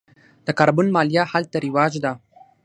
د کاربن مالیه هلته رواج ده.